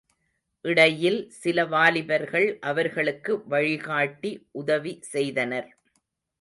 இடையில் சில வாலிபர்கள் அவர்ளுக்கு வழிகாட்டி உதவி செய்தனர்.